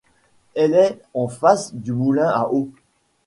Elle est en face du moulin à eau.